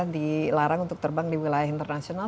dilarang untuk terbang di wilayah internasional